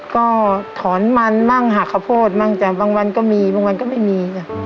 ก็ถอนหมั้นหักข้ะพูดบางวันก็มีบางวันก็ไม่มี